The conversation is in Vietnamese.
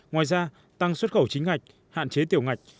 ngoài ra tăng xuất khẩu chính ngạch hạn chế tiểu ngạch